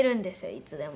いつでも。